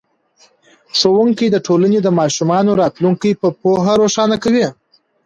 ښوونکی د ټولنې د ماشومانو راتلونکی په پوهه روښانه کوي.